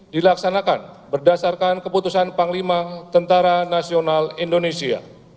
dilaksanakan berdasarkan keputusan panglima tni indonesia